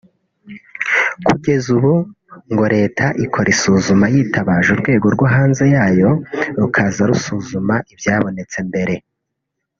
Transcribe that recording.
Kugeza ubu ngo Leta ikora isuzuma yitabaje urwego rwo hanze yayo rukaza rusuzuma ibyabonetse mbere